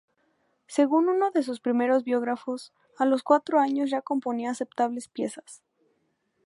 Según uno de sus primeros biógrafos, a los cuatro años ya componía aceptables piezas.